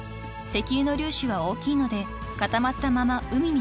［石油の粒子は大きいので固まったまま海に残ります］